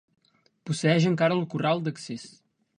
Posseeix encara el corral d'accés.